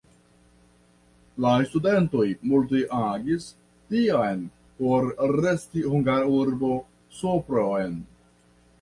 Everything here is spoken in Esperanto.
La studentoj multe agis tiam por resti hungara urbo Sopron.